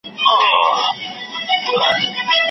راته مه راځه زاهده راته مه ایږده دامونه